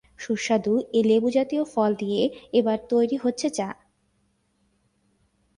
সুস্বাদু এ লেবুজাতীয় ফল দিয়ে এবার তৈরি হচ্ছে চা।